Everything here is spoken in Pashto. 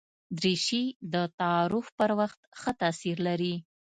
دریشي د تعارف پر وخت ښه تاثیر لري.